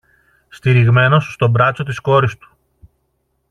στηριγμένος στο μπράτσο της κόρης του